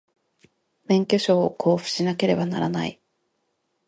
免許証を交付しなければならない